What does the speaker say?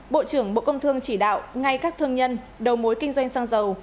bộ trưởng bộ công thương chỉ đạo ngay các thương nhân đầu mối kinh doanh xăng dầu